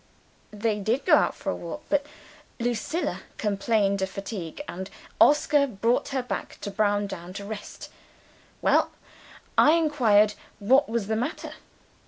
"They did go out for a walk. But Lucilla complained of fatigue; and Oscar brought her back to Browndown to rest. Well! I inquired what was the matter.